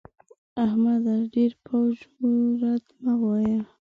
احمده! ډېر پوچ و رد مه وايه.